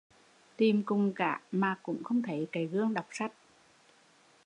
Tìm cùng cả mà cũng không thấy cái gương đọc sách